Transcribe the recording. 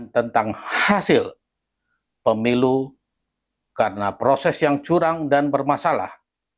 tentang hasil pemilu karena proses yang curang dan bermasalah